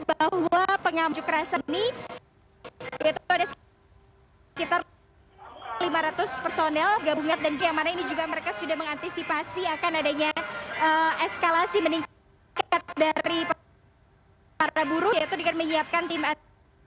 bahwa pengamjuk rasanya ini ada sekitar lima ratus personel gabungan dan yang mana ini juga mereka sudah mengantisipasi akan adanya eskalasi meningkat dari para buruk yaitu dengan menyiapkan tim atas